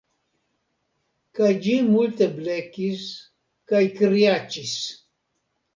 Kaj ĝi multe blekis kaj kriaĉis